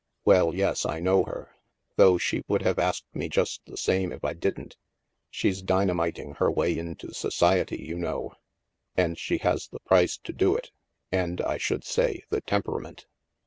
"Well, yes, I know her. Though she would have asked me just the same if I didn't. She's dynamiting her way into society, you know; and she has the price to do it and, I should say, the tem perament.